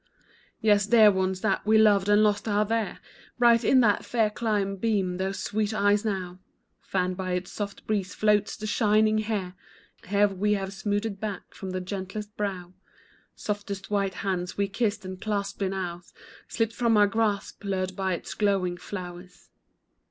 Yes, dear ones that we loved and lost are there; Bright in that fair clime beam those sweet eyes now; Fanned by its soft breeze floats the shining hair, Hair we have smoothed back from the gentlest brow; Softest white hands we kissed and clasped in ours Slipped from our grasp, lured by its glowing flowers.